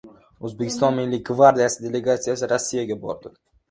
O‘zbekiston Milliy gvardiyasi delegatsiyasi Rossiyaga bordi